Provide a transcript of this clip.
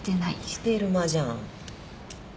してる間じゃん。